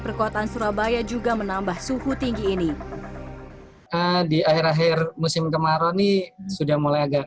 perkotaan surabaya juga menambah suhu tinggi ini di akhir akhir musim kemarau nih sudah mulai agak